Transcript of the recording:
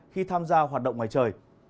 khi tham gia hoạt động ngoài trời